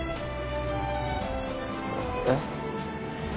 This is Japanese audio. えっ。